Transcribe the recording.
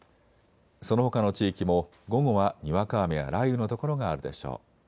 そのほかの地域も午後はにわか雨や雷雨の所があるでしょう。